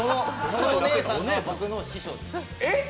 そのお姉さんが僕の師匠です。